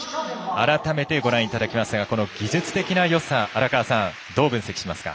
改めてご覧いただきますがこの技術的なよさどう分析しますか？